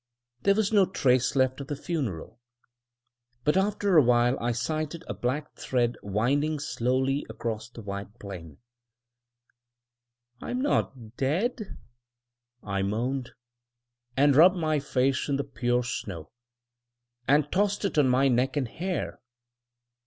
There was no trace left of the funeral; but after a while I sighted a black thread winding slowly across the white plain. More Stories by Vincent O'Sullivan "I'm not dead!" I moaned, and rubbed my face in the pure snow, and tossed it on my neck and hair.